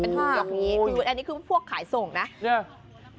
เป็นห้าอย่างงี้คืออันนี้คือพวกขายส่งน่ะเนี้ย